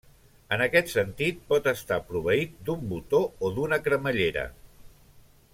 En aquest sentit, pot estar proveït d'un botó o d'una cremallera.